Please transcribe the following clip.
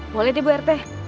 boleh deh bu rt